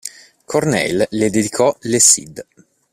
Corneille le dedicò "Le Cid".